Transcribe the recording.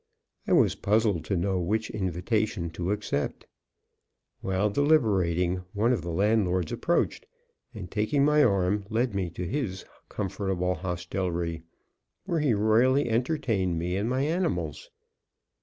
I was puzzled to know which invitation to accept. While deliberating, one of the landlords approached, and taking my arm, led me to his comfortable hostelry, where he royally entertained me and my animals.